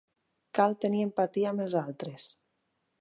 Cal tenir empatia amb els altres.